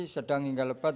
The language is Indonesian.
sedang hingga lebat